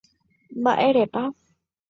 Mba'érepa